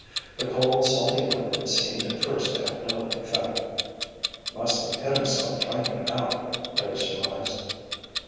The cold, salty liquid seemed at first to have no effect. "He must have hit himself trying to get out," Larry surmised.